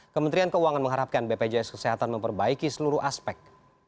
kementerian keuangan mengharapkan bpjs kesehatan memperbaiki seluruh aspek